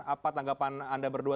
apa tanggapan anda berdua